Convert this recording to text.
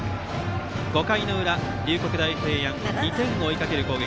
５回の裏、龍谷大平安２点を追いかける攻撃。